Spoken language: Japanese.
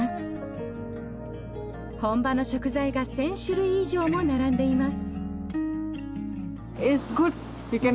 本場の食材が１，０００種類以上も並んでいます。